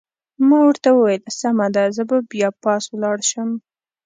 ما ورته وویل: سمه ده، زه به بیا پاس ولاړ شم.